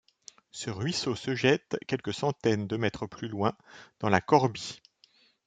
Ce ruisseau se jette, quelques centaines de mètres plus loin, dans la Corbie.